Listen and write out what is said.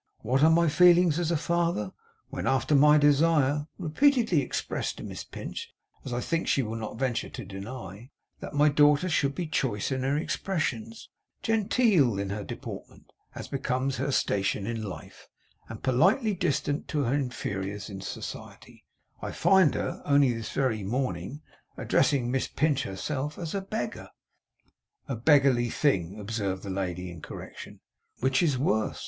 What are my feelings as a father, when, after my desire (repeatedly expressed to Miss Pinch, as I think she will not venture to deny) that my daughter should be choice in her expressions, genteel in her deportment, as becomes her station in life, and politely distant to her inferiors in society, I find her, only this very morning, addressing Miss Pinch herself as a beggar!' 'A beggarly thing,' observed the lady, in correction. 'Which is worse,' said the gentleman, triumphantly; 'which is worse.